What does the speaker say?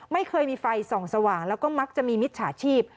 ไม่เคยมีไฟส่องสว่างแล้วก็มักจะมีมิจฉาชีพ